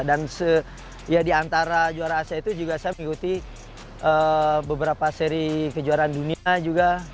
dan diantara juara asia itu juga saya mengikuti beberapa seri kejuaraan dunia juga